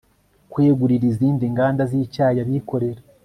kwegurira izindi nganda z'icyayi abikorera